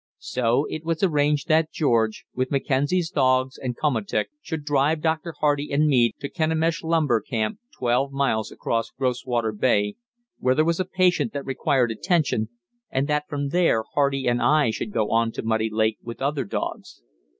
So it was arranged that George, with Mackenzie's dogs and komatik, should drive Dr. Hardy and me to the Kenemish lumber camp, twelve miles across Groswater Bay, where there was a patient that required attention, and that from there Hardy and I should go on to Muddy Lake with other dogs.